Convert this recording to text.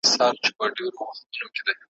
تا پخپله جواب کړي وسیلې دي `